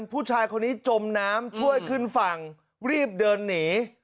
ผู้ชายคนนี้จมน้ำช่วยขึ้นฝั่งรีบเดินหนี